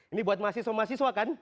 ini buat mahasiswa mahasiswa kan